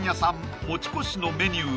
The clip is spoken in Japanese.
もちこしのメニュー